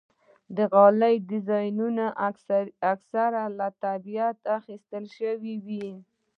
د غالۍ ډیزاین اکثره له طبیعت اخیستل شوی وي.